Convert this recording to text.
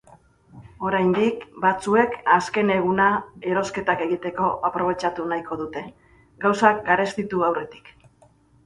Oraindik batzuek azken eguna erosketak egiteko aprobetxatu nahiko dute gauzak garestitu aurretik.